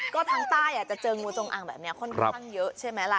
ก็ทางใต้จะเจองูจงอางแบบนี้ค่อนข้างเยอะใช่ไหมล่ะ